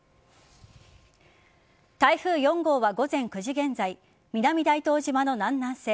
台風４号は午前９時現在南大東島の南南西